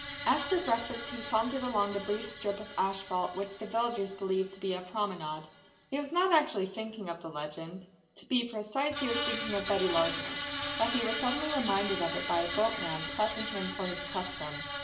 After breakfast he sauntered along the brief strip of asphalt which the villagers believe to be a promenade. He was not actually thinking of the legend; to be precise, he was thinking of Betty Lardner, but he was suddenly reminded of it by a boatman pressing him for his custom.